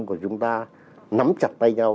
của chúng ta nắm chặt tay nhau